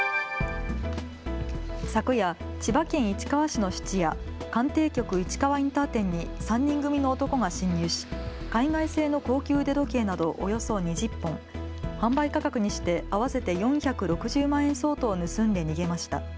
昨夜、千葉県市川市の質屋、かんてい局市川インター店に３人組の男が侵入し海外製の高級腕時計などおよそ２０本、販売価格にして合わせて４６０万円相当を盗んで逃げました。